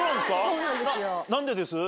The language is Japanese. そうなんですよ。